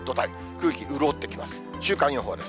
空気潤ってきます。